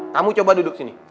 kamu coba duduk sini